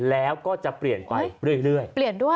แล้วก็จะเปลี่ยนไปเรื่อย